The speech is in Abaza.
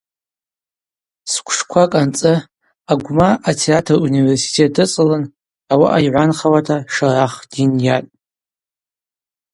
Сквшквакӏ анцӏы Агвмаа атеатр университет дыцӏалын ауаъа йгӏванхауата Шарах дйынйатӏ.